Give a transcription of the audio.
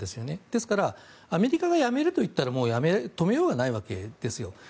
ですからアメリカがやめると言ったらもう止めようがないわけですよ。